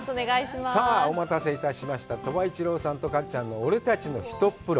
さあ、お待たせいたしました、鳥羽一郎さんとかっちゃんの「俺たちのひとっ風呂！」。